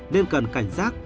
nên cần cảnh sát